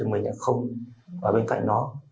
là không ở bên cạnh nó